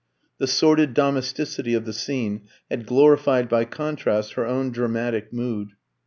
The sordid domesticity of the scene had glorified by contrast her own dramatic mood.